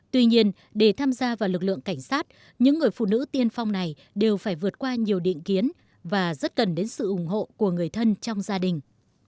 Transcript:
tuy nhiên để tham gia vào lực lượng cảnh sát những người phụ nữ tiên phong này đều phải vượt qua nhiều định kiến và rất cần đến sự ủng hộ của người thân trong gia đình